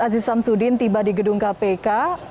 aziz samsudin tiba di gedung kpk